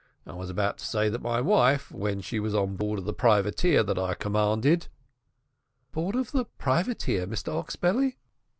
I was about to say that my wife, when she was on board of the privateer that I commanded " "Board of the privateer, Mr Oxbelly?"